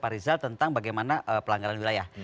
pak rizal tentang bagaimana pelanggaran wilayah